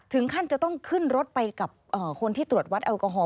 ถึงขั้นจะต้องขึ้นรถไปกับคนที่ตรวจวัดแอลกอฮอล